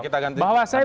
bahwa saya bukan muslim